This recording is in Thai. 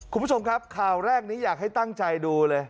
คุณผู้ชมครับข่าวแรกนี้อยากให้ตั้งใจดูเลย